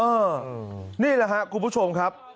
นี่แหละครับคุณผู้ชมครับ